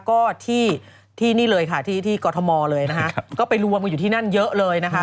ก็ที่นี่เลยค่ะที่กรทมเลยนะคะก็ไปรวมกันอยู่ที่นั่นเยอะเลยนะคะ